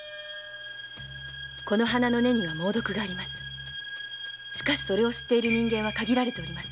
この花の根には猛毒がありますがそれを知る人間は限られています。